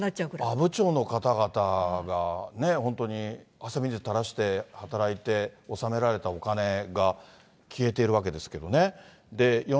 阿武町の方々が本当に汗水たらして働いて納められたお金が消えてるわけですからね。